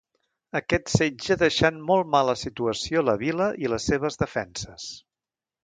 Aquest setge deixà en molt mala situació la vila i les seves defenses.